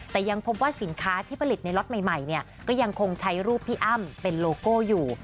แต่ยังพบว่าสินค้าที่ผลิตในล็อตใหม่ก็ยังคงใช้รูปพี่อ้ำเป็นโลโก้อยู่